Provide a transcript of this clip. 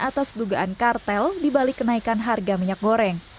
atas dugaan kartel dibalik kenaikan harga minyak goreng